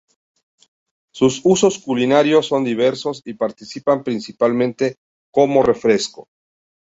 Sus usos culinarios son diversos y participan principalmente como refresco.